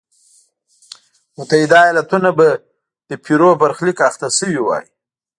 متحده ایالتونه به د پیرو برخلیک اخته شوی وای.